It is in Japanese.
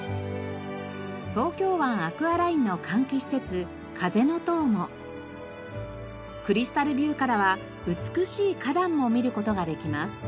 東京湾アクアラインの換気施設風の塔もクリスタルビューからは美しい花壇も見る事ができます。